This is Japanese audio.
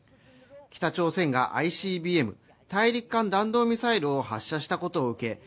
北朝鮮がＩＣＢＭ＝大陸間弾道ミサイルを発射したことを受け